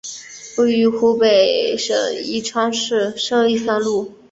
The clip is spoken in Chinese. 位于湖北省宜昌市胜利三路。